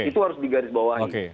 itu harus digarisbawahi